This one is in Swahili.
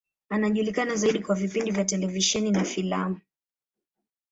Anajulikana zaidi kwa vipindi vya televisheni na filamu.